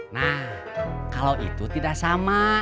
nah kalau itu tidak sama